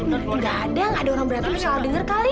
nggak ada nggak ada orang berantem salah dengar kali